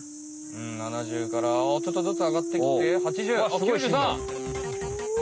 うん７０からちょっとずつあがってきて８０９３！